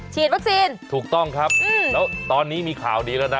ฉีดวัคซีนถูกต้องครับแล้วตอนนี้มีข่าวดีแล้วนะ